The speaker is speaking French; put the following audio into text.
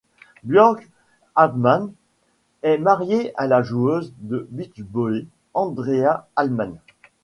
Jörg Ahmann est marié à la joueuse de beach-volley Andrea Ahmann.